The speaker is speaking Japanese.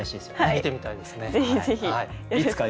見てみたいですね。